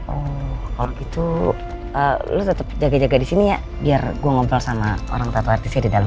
oh kalau gitu lu tetap jaga jaga di sini ya biar gue ngobrol sama orang tua atau artisnya di dalam